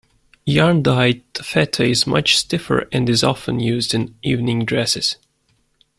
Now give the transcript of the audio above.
Yarn-dyed taffeta is much stiffer and is often used in evening dresses.